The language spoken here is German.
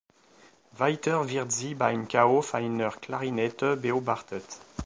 Weiter wird sie beim Kauf einer Klarinette beobachtet.